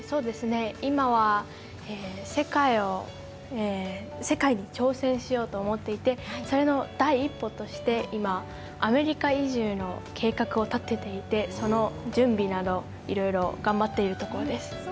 今は世界に挑戦しようと思っていてそれの第一歩として今、アメリカ移住の計画を立てていてその準備などいろいろ頑張っているところです。